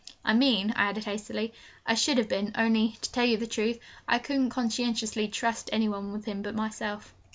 'I mean,' I added hastily, 'I should have been only, to tell you the truth, I couldn't conscientiously trust any one on him but myself.'